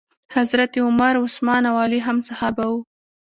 حضرت عمر، عثمان او علی هم صحابه وو.